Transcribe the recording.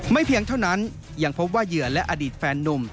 เพียงเท่านั้นยังพบว่าเหยื่อและอดีตแฟนนุ่ม